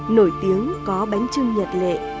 nổi tiếng có bánh trưng nhật lệ